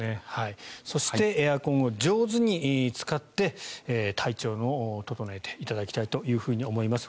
そしてエアコンを上手に使って体調を整えていただきたいと思います。